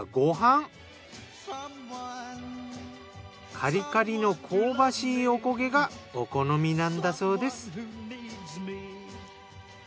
カリカリの香ばしいおこげがお好みなんだそうです。